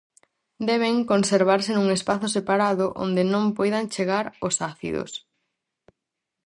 Deben conservarse nun espazo separado onde non poidan chegar os ácidos.